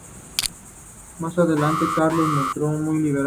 Más adelante Carlos el Calvo se mostró muy liberal hacia el monasterio.